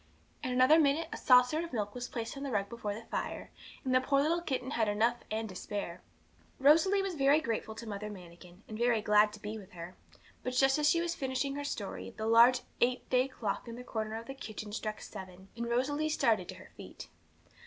In another minute a saucer of milk was placed on the rug before the fire, and the poor little kitten had enough and to spare. Rosalie was very grateful to Mother Manikin, and very glad to be with her; but just as she was finishing her story, the large eight day clock in the corner of the kitchen struck seven, and Rosalie started to her feet.